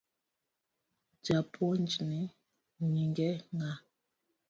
Japuonjni nyinge ng’a?